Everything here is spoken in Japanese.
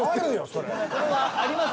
それこれはあります